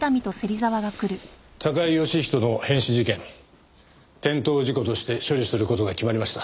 高井義人の変死事件転倒事故として処理する事が決まりました。